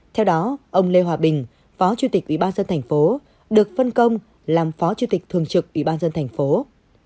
theo đó ông lê hòa bình phó chủ tịch ubnd tp hcm được phân công làm phó chủ tịch thường trực ubnd tp hcm